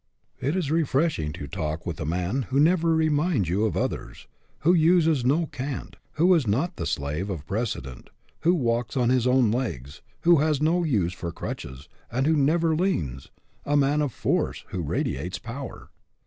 It is refreshing to talk with a man who never reminds you of others, who uses no cant, who is not the slave of precedent, who walks on his own legs, who has no use for crutches, and who never leans, a man of force, who radiates power.